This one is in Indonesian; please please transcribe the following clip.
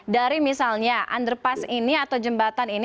dari misalnya underpass ini atau jembatan ini